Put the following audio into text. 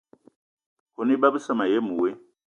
Kone iba besse mayen woe.